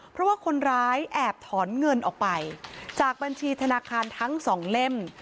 เพราะว่าคนร้ายแอบถอนเงินออกไปจากบัญชีธนาคารทั้งสองเล่ม